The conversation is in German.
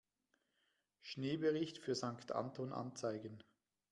Schneebericht für Sankt Anton anzeigen.